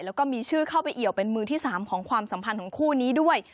แล้วก็มีชื่อเข้าไปเอี่ยวเป็นมือที่๓ของความสัมพันธ์ของคู่นี้ด้วย